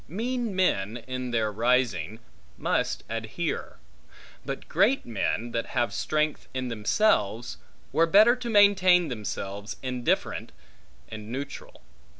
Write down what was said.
Mean men, in their rising, must adhere; but great men, that have strength in themselves, were better to maintain themselves indifferent, and neutral.